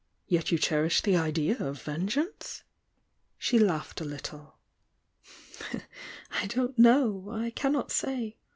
"Yet you i<i°rish the idea of vengeance?" She laughed a littlu. "I don't know ! I cannot say